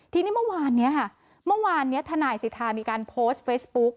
ทีนี้เมื่อวานเมื่อวานทนายสิทธิ์มีการโพสเฟซบุ๊ก